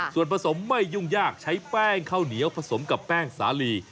ส่วนผสมไม่ยุ่งยากใช้แป้งข้าวเหนียวผสมกับแป้งสาลี